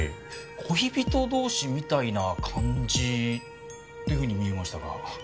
恋人同士みたいな感じっていうふうに見えましたが。